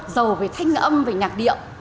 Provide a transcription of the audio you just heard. giàu về thanh âm về nhạc điệu